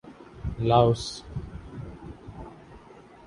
Laos